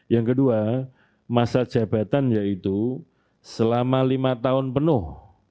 yang kedua masa jabatan yaitu selama lima tahun penuh